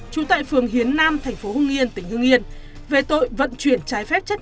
một nghìn chín trăm chín mươi ba trú tại phường hiến nam thành phố hưng yên tỉnh hưng yên về tội vận chuyển trái phép chất